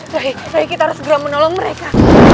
rai rai kita harus segera menolong mereka